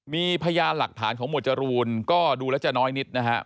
มีพยานหลักฐานของหมวดจรูนก็ดูแล้วจะน้อยนิดนะครับ